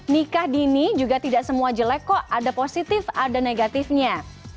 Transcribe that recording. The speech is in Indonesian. nikah dini juga tidak semua jelek kok ada positif ada negatifnya